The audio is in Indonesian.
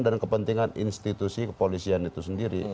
dan kepentingan institusi kepolisian itu sendiri